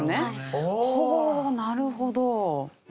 ほおなるほど。